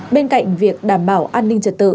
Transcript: bên cạnh việc đảm bảo an ninh trật tự